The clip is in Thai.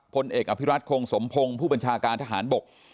พลเอกอภิรัตคงสมพงศ์ผู้บัญชาการทหารบก